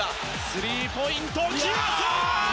スリーポイント決まった！